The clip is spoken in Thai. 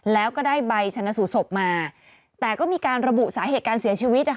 แล้วก็ได้ใบชนะสูตรศพมาแต่ก็มีการระบุสาเหตุการเสียชีวิตนะคะ